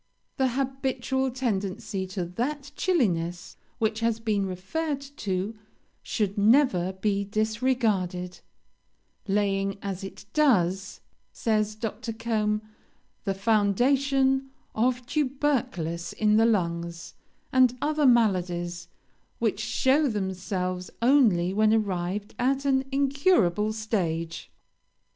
The habitual tendency to that chilliness which has been referred to should never be disregarded, 'laying, as it does,' says Dr. Combe, 'the foundation of tubercles in the lungs, and other maladies, which show themselves only when arrived at an incurable stage.'